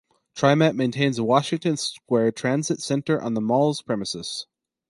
TriMet maintains the Washington Square Transit Center on the mall's premises.